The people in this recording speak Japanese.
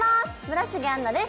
村重杏奈です